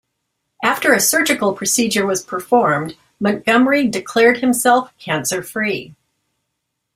After a surgical procedure was performed, Montgomery declared himself cancer-free.